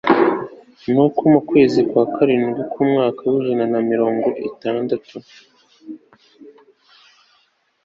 nuko mu kwezi kwa karindwi k'umwaka w'ijana na mirongo itandatu